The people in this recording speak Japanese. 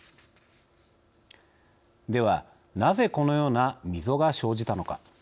ではなぜこのような溝が生じたのか。